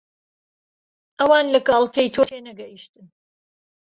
ئەوان لە گاڵتەی تۆ تێنەگەیشتن.